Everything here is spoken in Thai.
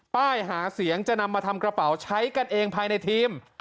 ป้ายหาเสียงจะนำมาทำกระเป๋าใช้กันเองภายในทีม